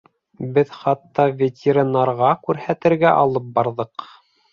Беҙ хатта ветеринарға күрһәтергә алып барҙыҡ.